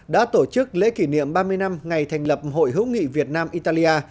đã tổ chức lễ kỷ niệm ba mươi năm ngày thành lập hội hữu nghị việt nam italia